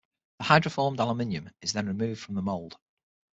The hydroformed aluminium is then removed from the mold.